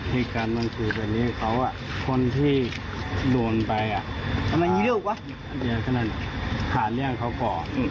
หาเลี่ยงเขาก่อน